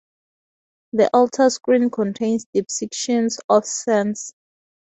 The altar screen contains depictions of Sts.